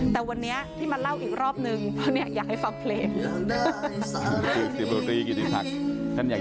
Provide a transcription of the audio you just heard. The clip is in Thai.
แต่วันนี้ที่มาเล่าอีกรอบนึงเพราะเนี่ยอยากให้ฟังเพลง